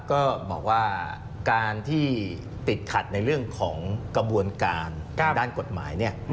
ก็บอกว่าการที่ติดขัดในเรื่องของกระบวนการด้านกฎหมายเนี่ย